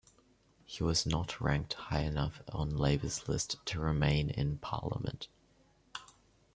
He was not ranked high enough on Labour's list to remain in Parliament.